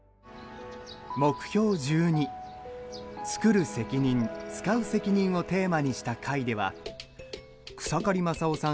目標１２「つくる責任つかう責任」をテーマにした回では草刈正雄さん